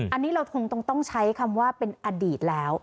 อันนี้เราคงต้องใช้คำว่าเป็นอดีตแล้ว